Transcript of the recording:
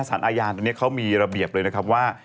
สารอาญาตอนนี้เขามีระเบียบเลยนะครับว่า